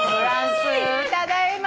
ただいま！